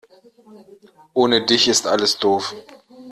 Ohne dich ist alles doof.